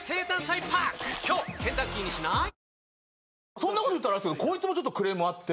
そんなこと言ったらこいつもちょっとクレームあって。